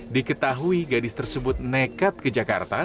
diketahui gadis tersebut nekat ke jakarta